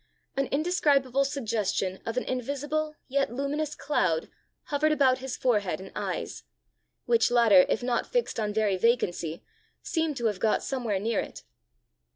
An indescribable suggestion of an invisible yet luminous cloud hovered about his forehead and eyes which latter, if not fixed on very vacancy, seemed to have got somewhere near it.